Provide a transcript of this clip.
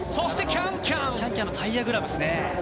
キャンキャンのタイヤグラブですね。